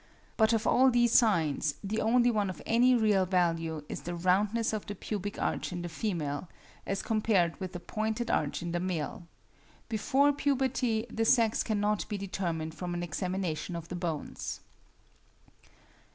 But of all these signs the only one of any real value is the roundness of the pubic arch in the female, as compared with the pointed arch in the male. Before puberty the sex cannot be determined from an examination of the bones.